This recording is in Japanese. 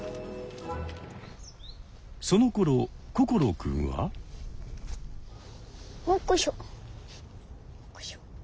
そのころ心くんは。よっこいしょ。